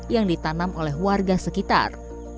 yang ditanam oleh warga sekitar